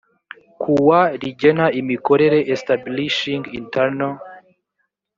kuwa rigena imikorere establishing internal